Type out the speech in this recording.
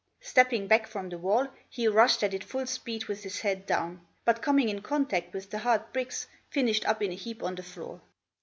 Stepping back from the wall, he rushed at it full speed with his head down; but coming in contact with the hard bricks, finished up in a heap on the floor.